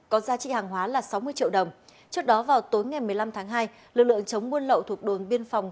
có giá trị hàng hóa là sáu mươi triệu đồng trước đó vào tối ngày một mươi năm tháng hai lực lượng chống buôn lậu thuộc đồn biên phòng